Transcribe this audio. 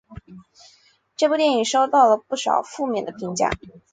这部电影收到了不少的负面评价。